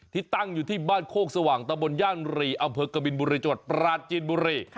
ที่ตั้งอยู่ที่บ้านโคกสว่างตะบนย่านบุรีอาเผิกกะบินบุรีจดปราจีนบุรี